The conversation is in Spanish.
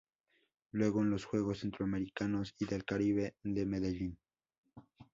Luego en los Juegos Centroamericanos y del Caribe de Medellín.